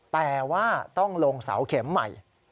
แต่ว่าต้องลงเสาเข็มใหม่